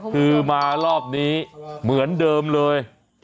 คือมารอบนี้เหมือนเดิมเลย